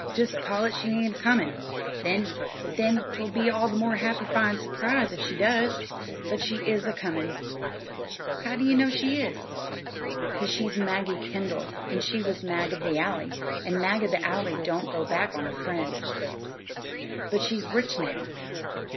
Jest call it she ain't a comin', then 'twill be all the more happyfyin' surprise if she does." "But she is a comin'." "How do ye know she is?" "'Cause she's Maggie Kendall, an' she was Mag of the Alley: an' Mag of the Alley don't go back on her friends." "But she's rich now."